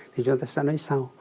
thì chúng ta sẽ nói sau